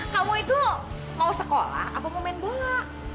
kamu itu mau sekolah apa mau main bola